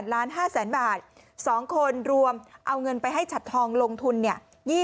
ล้าน๕แสนบาท๒คนรวมเอาเงินไปให้ฉัดทองลงทุนเนี่ย